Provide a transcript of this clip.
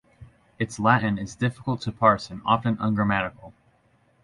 Its Latin is difficult to parse and often ungrammatical.